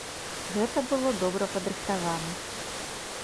Гэта было добра падрыхтавана.